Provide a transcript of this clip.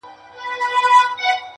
ته مي غوښي پرې کوه زه په دعا یم !.